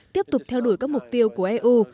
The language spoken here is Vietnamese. tiếp tục theo đuổi các mục tiêu của eu